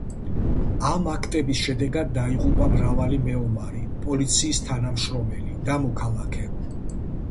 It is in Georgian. ამ აქტების შედეგად დაიღუპა მრავალი მეომარი, პოლიციის თანამშრომელი და მოქალაქე.